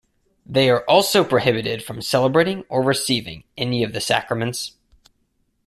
They are also prohibited from celebrating or receiving any of the sacraments.